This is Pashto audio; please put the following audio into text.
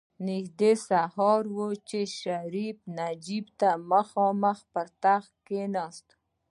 نژدې سهار و چې شريف نجيبې ته مخامخ په تخت کېناست.